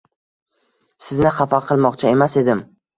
Sizni xafa qilmoqchi emas edim.